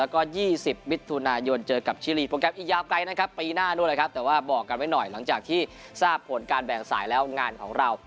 ก็เป็นงานยาก